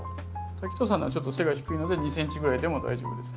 滝藤さんのはちょっと背が低いので２ｃｍぐらいでも大丈夫ですね。